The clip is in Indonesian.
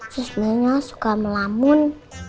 sebenernya suka melamun